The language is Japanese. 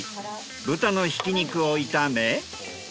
豚のひき肉を炒め。